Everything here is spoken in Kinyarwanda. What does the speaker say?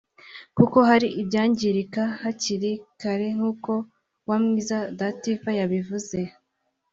kuko hari ibyangirika hakiri kare nk’uko Uwamwiza Dative yabivuze